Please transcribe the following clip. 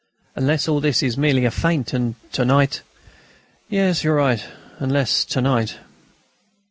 "Unless all this is merely a feint, and to night ..." "Yes, you're right, unless to night